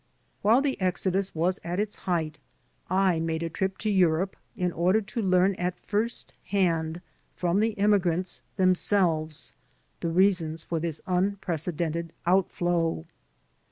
While the exodus was at its height I made a trip to Europe in order to learn at first hand from the emigrants themselves the reasons for this un precedented outflow.